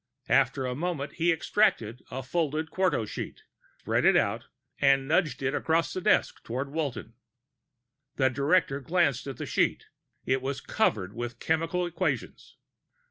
After a moment he extracted a folded quarto sheet, spread it out, and nudged it across the desk toward Walton. The director glanced at the sheet; it was covered with chemical equations.